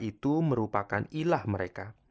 itu merupakan ilah mereka